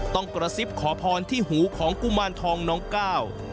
กระซิบขอพรที่หูของกุมารทองน้องก้าว